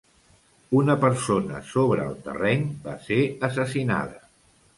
Una persona sobre el terreny va ser assassinada.